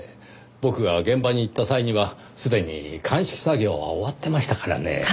僕が現場に行った際にはすでに鑑識作業は終わってましたからねぇ。